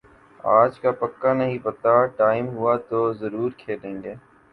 آج کا پکا نہیں پتا، ٹائم ہوا تو زرور کھیلیں گے۔